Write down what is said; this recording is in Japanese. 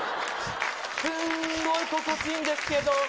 すっごい心地いいんですけど。